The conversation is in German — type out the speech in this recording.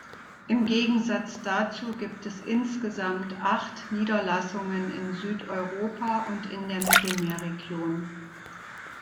Im Gegensatz dazu gibt es insgesamt acht Niederlassungen in Südeuropa und in der Mittelmeerregion.